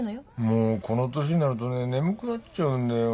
もうこの年になるとね眠くなっちゃうんだよ。